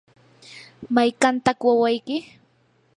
¿mayqantaq wawayki?